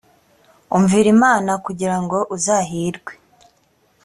umvira imana kugira ngo uzahirwe.